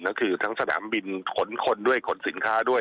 ก็คือทั้งสนามบินขนคนด้วยขนสินค้าด้วย